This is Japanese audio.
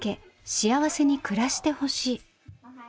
幸せに暮らしてほしい。